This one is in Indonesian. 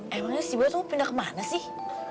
emangnya sih boy tuh mau pindah ke mana sih